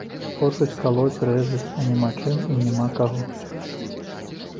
Хочуць калоць, рэзаць, а няма чым і няма каго.